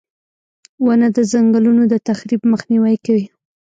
• ونه د ځنګلونو د تخریب مخنیوی کوي.